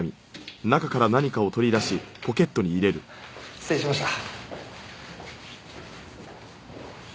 失礼しました。